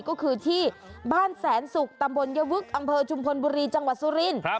ก็คือที่บ้านแสนสุกตำบลยวึกอำเภอชุมพลบุรีจังหวัดสุรินทร์